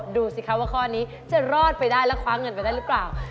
ดูสิคะว่าข้อนี้จะรอดไปได้และคว้าเงินไปได้หรือเปล่า